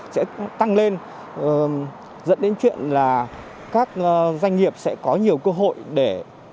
sẽ tăng lên dẫn đến chuyện là các doanh nghiệp sẽ có nhiều cơ hội để